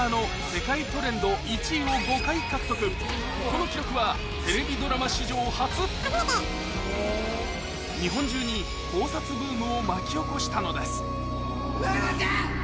この記録はテレビドラマ史上初日本中に考察ブームを巻き起こしたのです菜奈ちゃん！